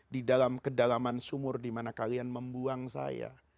di dalam kedalaman sumur dimana kalian membuang saya